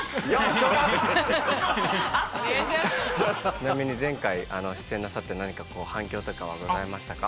ちなみに前回出演なさって何かこう反響とかはございましたか？